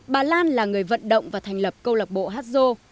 bà lan là người vận động và thành lập câu lạc bộ hát dô